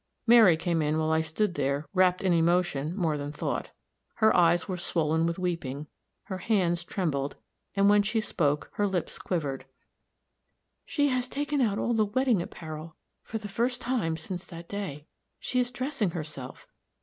Mary came in while I stood there wrapped in emotion more than thought. Her eyes were swollen with weeping, her hands trembled, and when she spoke, her lips quivered: "She has taken out all the wedding apparel, for the first time since that day. She is dressing herself.